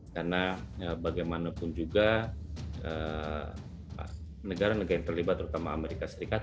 karena bagaimanapun juga negara negara yang terlibat terutama amerika serikat